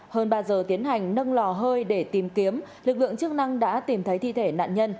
hơn ba giờ tiến hành nâng lò hơi để tìm kiếm lực lượng chức năng đã tìm thấy thi thể nạn nhân